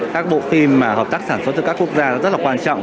các bộ phim mà hợp tác sản xuất từ các quốc gia rất là quan trọng